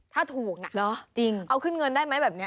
ถ้าถูกนะจริงเอาขึ้นเงินได้ไหมแบบนี้